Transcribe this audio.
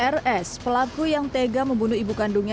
rs pelaku yang tega membunuh ibu kandungnya